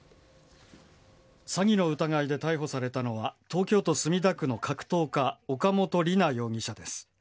詐欺の疑いで逮捕されたのは、東京都墨田区の格闘家、岡本璃奈容疑者です。